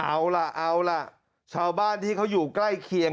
เอาล่ะเอาล่ะชาวบ้านที่เขาอยู่ใกล้เคียง